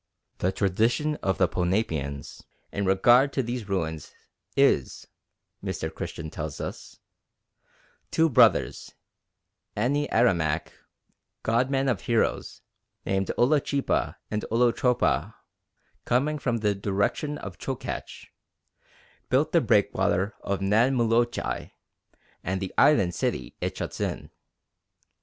The tradition of the Ponapeans in regard to these ruins is, Mr. Christian tells us, "Two brothers, Ani Aramach, Godmen or Heroes, named Olo chipa and Olo chopa, coming from the direction of Chokach, built the breakwater of Nan Moluchai and the island city it shuts in.